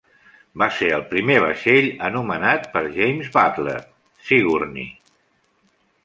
Va ser el primer vaixell anomenat per James Butler Sigourney.